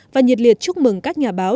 và nhiệt liệt chúc mừng các nhà báo